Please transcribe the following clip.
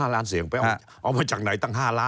๕ล้านเสียงไปเอามาจากไหนตั้ง๕ล้าน